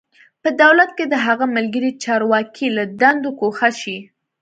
په دولت کې د هغه ملګري چارواکي له دندو ګوښه شي.